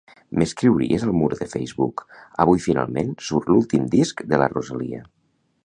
M'escriuries al mur de Facebook "avui finalment surt l'últim disc de la Rosalia"?